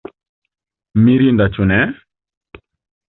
Mirinda ĉu ne?